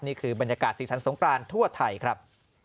นี่คือบรรยากาศสีสันสงกรานทั่วไทยครับ